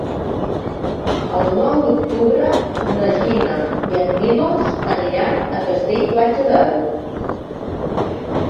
El nou d'octubre na Gina i en Milos aniran a Castell-Platja d'Aro.